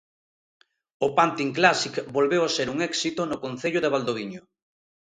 O pantin classic volveu a ser un éxito no concello de Valdoviño